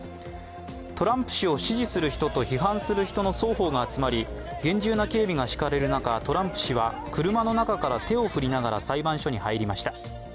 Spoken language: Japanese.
トランプ氏を支持する人と批判する人の双方が集まり厳重な警備が敷かれる中、トランプ氏は車の中から手を振りながら裁判所に入りました。